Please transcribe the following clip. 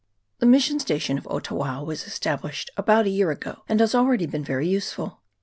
The mission station of Otawao was established about a year ago, and has already been very useful.